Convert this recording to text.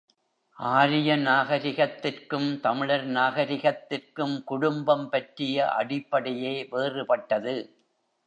ஆரிய நாகரிகத்திற்கும், தமிழர் நாகரிகத்திற்கும் குடும்பம் பற்றிய அடிப்படையே வேறுபட்டது.